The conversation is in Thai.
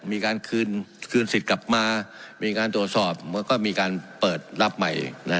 มีการคืนสิทธิ์กลับมามีการตรวจสอบแล้วก็มีการเปิดรับใหม่